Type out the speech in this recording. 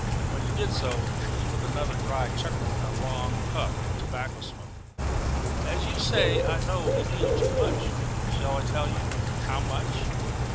When he did so, it was with another dry chuckle and a long puff of tobacco smoke. "As you say, I know a deal too much. Shall I tell you how much?"